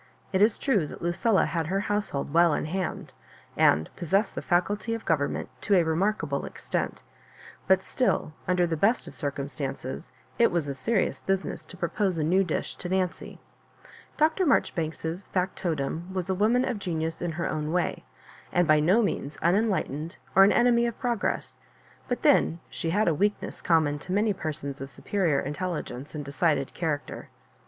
It is true that Lu cilla had her household well in hand, and pos sessed the Acuity of government to a remark able extent; but still, under the best of cir cumstances, it was a serious business to propose a new dish to Nancy. Dr. Marjoribanks's fac totum was a woman of genius in her way, and by no means unenlightened or an enemy of progress; but then she had a weakness oomnaon to many persons of superior intelligence and de cided character.